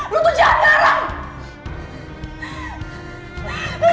lo jangan sok tau yari